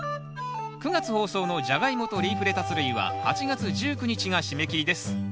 ９月放送の「ジャガイモ」と「リーフレタス類」は８月１９日が締め切りです。